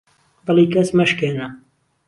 دڵی کەس مەشکێنە